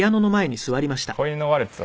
『小犬のワルツ』を。